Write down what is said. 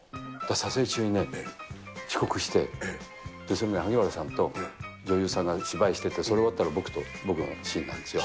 撮影中にね、遅刻して、萩原さんと女優さんが芝居してて、それ終わったら僕と、僕のシーンなんですよ。